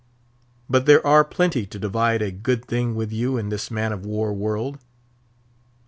But there are plenty to divide a good thing with you in this man of war world.